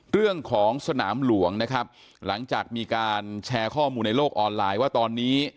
เรื่องของสนามหลวงนะครับหลังจากมีการแชร์ข้อมูลในโลกออนไลน์ว่าตอนนี้